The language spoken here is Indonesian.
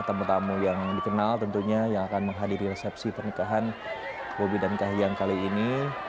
tamu tamu yang dikenal tentunya yang akan menghadiri resepsi pernikahan bobi dan kahiyang kali ini